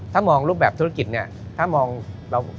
ถ้ามองรูปแบบธุรกิจเนี่ย